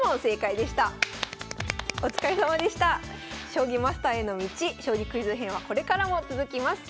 「将棋マスターへの道将棋クイズ編」はこれからも続きます。